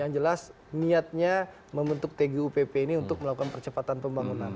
yang jelas niatnya membentuk tgupp ini untuk melakukan percepatan pembangunan